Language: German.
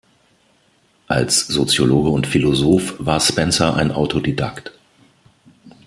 Als Soziologe und Philosoph war Spencer ein Autodidakt.